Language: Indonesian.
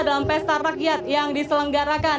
dalam pesta rakyat yang diselenggarakan